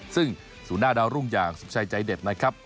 ซึ่งศูนย์หน้าดาวรุ่งอย่างสุขชัยใจเด็ดนะครับ